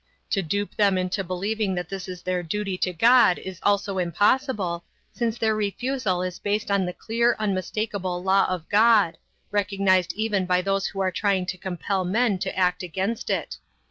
To dupe them into believing that this is their duty to God is also impossible, since their refusal is based on the clear, unmistakable law of God, recognized even by those who are trying to compel men to act against it.